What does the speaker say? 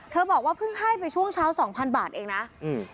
บอกว่าเพิ่งให้ไปช่วงเช้าสองพันบาทเองนะอืม